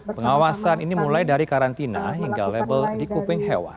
pengawasan ini mulai dari karantina hingga label di kuping hewan